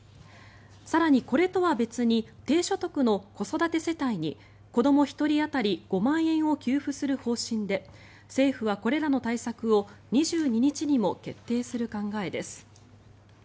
更にこれとは別に低所得の子育て世帯に子ども１人当たり５万円を給付する方針で政府はこれらの対策を２２日にも決定する考えです。